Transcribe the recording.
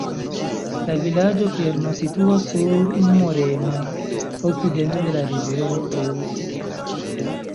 La vilaĝo-kerno situas sur moreno okcidente de la rivero Reuss.